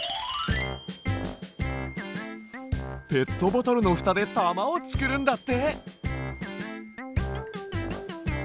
ペットボトルのふたでたまをつくるんだって！